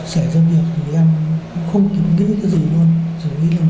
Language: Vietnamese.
sẽ ra việc thì em không kiểu nghĩ cái gì luôn rồi nghĩ làm